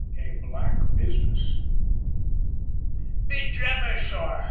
A BLACK BUSINESS. "Be jabers, sor!"